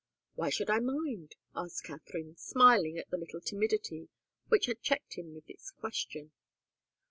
"Why should I mind?" asked Katharine, smiling at the little timidity which had checked him with its question.